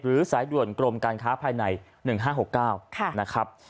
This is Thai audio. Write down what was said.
สายด่วนกรมการค้าภายใน๑๕๖๙นะครับ